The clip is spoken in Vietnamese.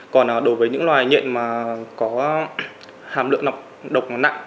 còn đối với những loài nhện mà có hàm lượng nọc độc nhẹ